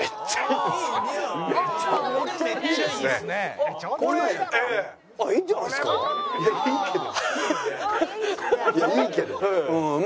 いやいいけど。